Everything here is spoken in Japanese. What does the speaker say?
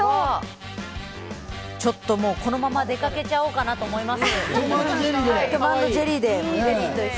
ちょっと、このまま出かけちゃおうかなと思います。